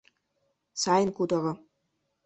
— Сайын кутыро.